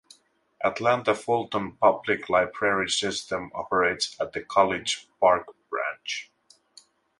Atlanta-Fulton Public Library System operates the College Park Branch.